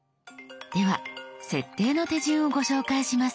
では設定の手順をご紹介します。